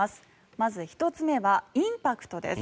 まず１つ目はインパクトです。